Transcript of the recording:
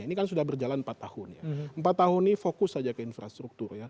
ini kan sudah berjalan empat tahun ya empat tahun ini fokus saja ke infrastruktur ya